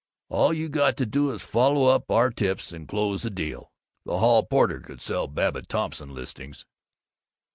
All you got to do is follow up our tips and close the deal. The hall porter could sell Babbitt Thompson listings!